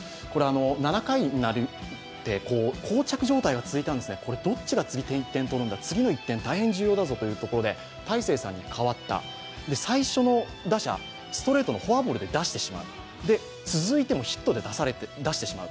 ７回になってこう着状態が続いたんですね、次の１点、大変重要だぞというところで大勢さんに代わった、最初の打者、ストレートのフォアボールで出してしまう続いてもヒットで出してしまう。